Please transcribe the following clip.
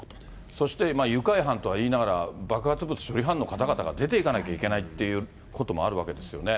そして愉快犯とは言いながら、爆発物処理班の方々が出ていかなきゃいけないということもあるわけですよね。